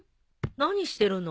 何してるの？